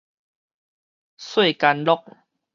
細干樂